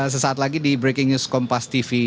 sesaat lagi di breaking news kompas tv